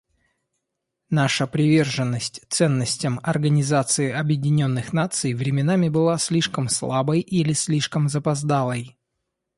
Наша приверженность ценностям Организации Объединенных Наций временами была слишком слабой или слишком запоздалой.